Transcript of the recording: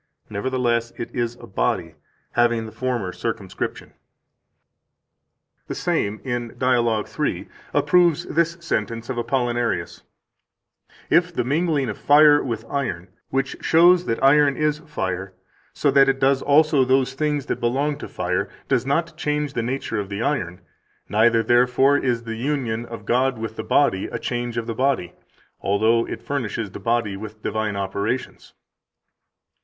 Nevertheless, it is a body, having the former circumscription." 160 The same, in Dialog 3, approves this sentence of Apollinarius: "If the mingling of fire with iron, which shows that iron is fire, so that it does also those things that belong to fire, does not change the nature of the iron, neither, therefore, is the union of God with the body a change of the body, although it furnishes the body with divine operations."